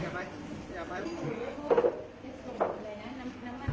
ทุติยังปิตพุทธธาเป็นที่พึ่ง